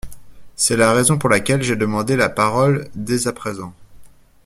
C’est la raison pour laquelle j’ai demandé la parole dès à présent.